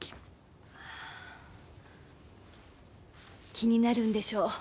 気になるんでしょう。